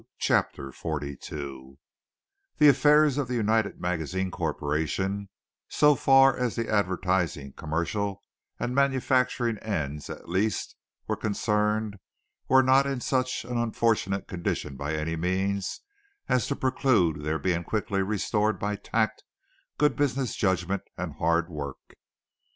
CHAPTER XLII The affairs of the United Magazines Corporation, so far as the advertising, commercial and manufacturing ends at least were concerned, were not in such an unfortunate condition by any means as to preclude their being quickly restored by tact, good business judgment and hard work.